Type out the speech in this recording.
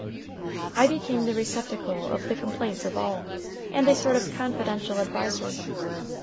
I became the receptacle of the complaints of all, and a sort of confidential adviser.